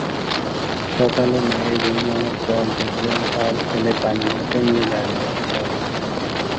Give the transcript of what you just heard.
সকালে মায়ের ঘুম ভাঙার পর দেখলেন তার ছেলে পানি হাতে নিয়ে দাড়িয়ে আছে।